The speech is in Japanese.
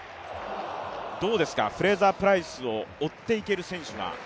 どうですか、フレイザー・プライスを追っていける選手は。